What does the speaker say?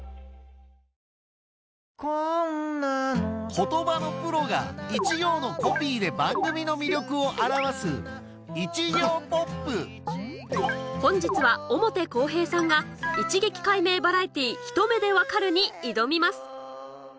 言葉のプロが一行のコピーで番組の魅力を表す本日は表公平さんが『一撃解明バラエティひと目でわかる‼』に挑みます